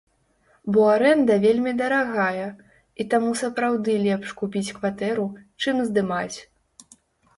Бо арэнда вельмі дарагая, і таму сапраўды лепш купіць кватэру, чым здымаць.